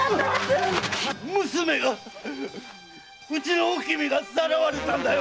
⁉娘がうちのおきみがさらわれたんだよ！